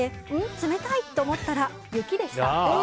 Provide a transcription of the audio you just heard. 冷たいと思ったら雪でした。